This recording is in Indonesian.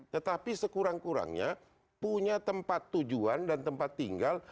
tetapi sekurang kurangnya punya tempat tujuan dan tempat tinggal